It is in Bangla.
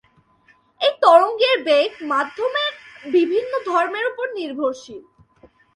এই তরঙ্গের বেগ মাধ্যমের বিভিন্ন ধর্মের উপর নির্ভরশীল।